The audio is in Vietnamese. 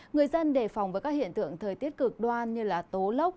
người dân đề phòng với các hiện tượng thời tiết cực đoan như tố lốc